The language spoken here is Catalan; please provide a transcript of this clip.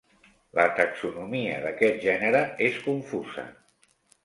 La taxonomia d'aquest gènere és confusa.